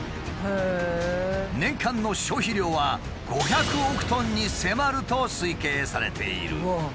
年間の消費量は５００億トンに迫ると推計されている。